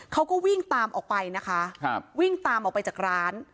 เขาก็วิ่งตามออกไปนะคะวิ่งตามออกไปจากร้าน